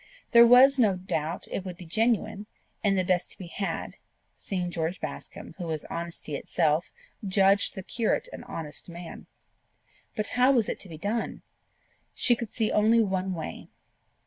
There was no doubt it would be genuine, and the best to be had, seeing George Bascombe, who was honesty itself, judged the curate an honest man. But how was it to be done? She could see only one way.